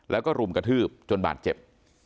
แล้วก็รุมกระทืบจนบาดเจ็บ